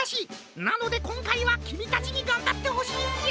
なのでこんかいはきみたちにがんばってほしいんじゃ！